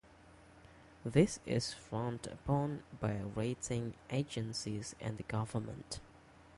This is frowned upon by rating agencies and the government.